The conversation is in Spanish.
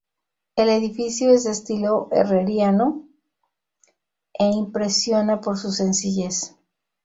El edificio es de estilo herreriano e impresiona por su sencillez.